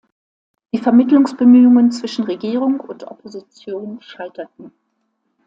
Die Vermittlungsbemühungen zwischen Regierung und Opposition scheiterten.